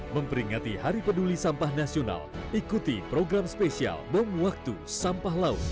memperingati hari peduli sampah nasional ikuti program spesial bom waktu sampah laut